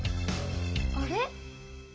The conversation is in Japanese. あれ？